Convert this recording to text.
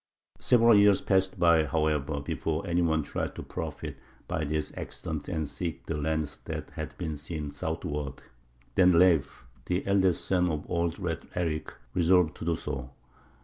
Several years passed by, however, before any one tried to profit by this accident and seek the lands that had been seen southward. Then Leif, the eldest son of old Red Erik, resolved to do so.